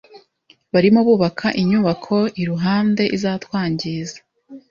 Barimo bubaka inyubako iruhande, izatwangiza.